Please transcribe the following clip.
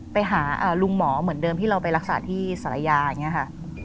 ไปหาลุงหมอเหมือนเดิมที่เราไปรักษาที่สารยาอย่างนี้ค่ะ